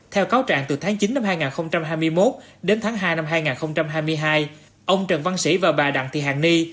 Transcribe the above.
theo cáo trạng từ tháng chín năm hai nghìn hai mươi một đến tháng hai năm hai nghìn hai mươi hai ông trần văn sĩ và bà đặng thị hàng ni